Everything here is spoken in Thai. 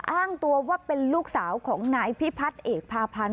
อ้างตัวว่าเป็นลูกสาวของนายพิพัฒน์เอกพาพันธ์